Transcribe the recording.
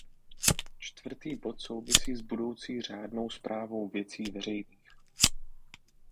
Čtvrtý bod souvisí s budoucí řádnou správou věcí veřejných.